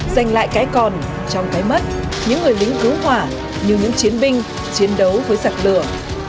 giành lại cái còn trong cái mất những người lính cứu hỏa như những chiến binh chiến đấu với giặc lửa